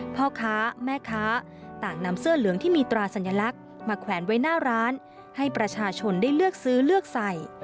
พ่อค้าแม่ค้าต่างนำเสื้อเหลืองที่มีตราสัญลักษณ์มาแขวนไว้หน้าร้านให้ประชาชนได้เลือกซื้อเลือกใส่